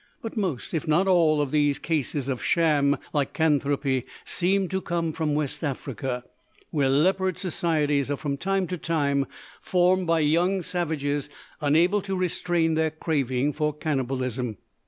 But most, if not all, of these cases of sham lycanthropy seem to come from West Africa, where leopard societies are from time to time formed by young savages unable to restrain their craving for cannibalism.